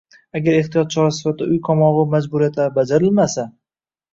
Agar ehtiyot chorasi sifatidagi uy qamog‘i majburiyatlari bajarilmasa